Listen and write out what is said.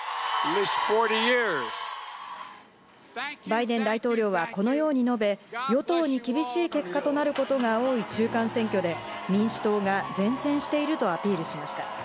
バイデン大統領はこのように述べ、与党に厳しい結果となることが多い中間選挙で、民主党が善戦しているとアピールしました。